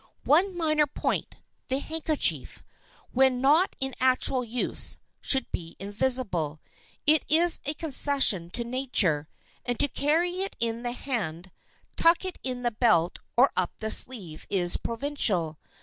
[Sidenote: MINOR POINTS IN DRESS] One minor point: the handkerchief, when not in actual use, should be invisible. It is a concession to nature, and to carry it in the hand, tuck it in the belt or up the sleeve is provincial.